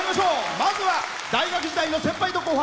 まずは、大学時代の先輩と後輩。